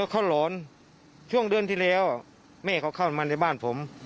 เขาหลอนช่วงเดือนที่แล้วแม่เขาเข้ามาในบ้านผม